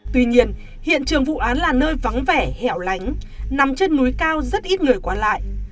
tuy nhiên hiện trường vụ án là nơi vắng vẻ hẻo lánh nằm trên núi cao rất ít người qua lại